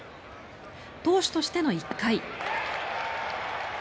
投手としての１回。